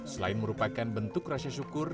selain merupakan bentuk rasa syukur